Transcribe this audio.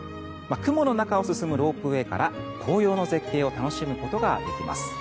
雲の中を進むロープウェーから紅葉の絶景を楽しむことができます。